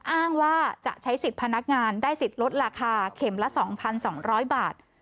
อ้างว่าจะใช้สิทธิ์พนักงานได้สิทธิ์ลดราคาเข็มละ๒๒๐๐บาท